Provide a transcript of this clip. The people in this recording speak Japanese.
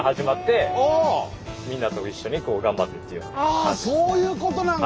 あそういうことなんだ！